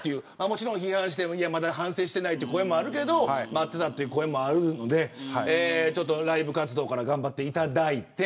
もちろん批判してまだ反省していないという声もあるけど待っていたという声もあるのでライブ活動から頑張っていただいて。